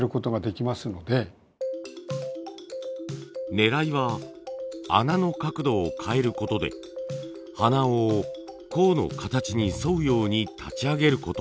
ねらいは穴の角度を変えることで鼻緒を甲の形に沿うように立ち上げること。